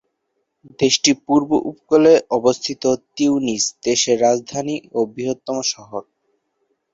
দেশটির পূর্ব উপকূলে অবস্থিত তিউনিস দেশের রাজধানী ও বৃহত্তম শহর।